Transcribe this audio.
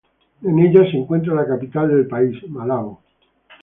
En ella se encuentra la capital del país, Malabo.